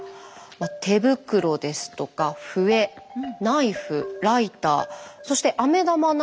手袋ですとか笛ナイフライターそしてアメ玉７個などなど。